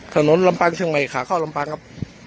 ถนนลำปังช่องใหม่ขาเข้าลำปังครับ